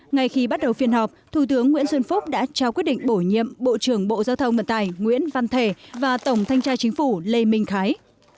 ngay khi bắt đầu phiên họp thủ tướng nguyễn xuân phúc đã trao quyết định bổ nhiệm bộ trưởng bộ giao thông vận tải nguyễn văn thể và tổng thanh tra chính phủ lê minh khái